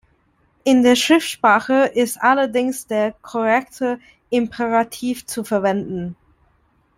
In der Schriftsprache ist allerdings der korrekte Imperativ zu verwenden.